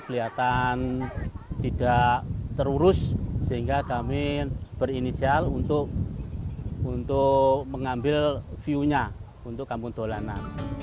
kelihatan tidak terurus sehingga kami berinisial untuk mengambil view nya untuk kampung dolanan